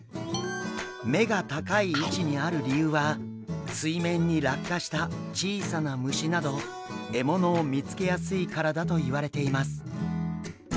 目が高い位置にある理由は水面に落下した小さな虫など獲物を見つけやすいからだといわれています。